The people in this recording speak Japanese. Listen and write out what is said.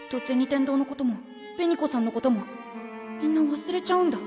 天堂のことも紅子さんのこともみんな忘れちゃうんだ。